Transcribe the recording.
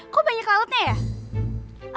kok banyak lewatnya ya